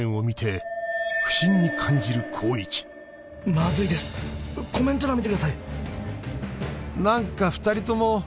まずいですコメント欄を見てください。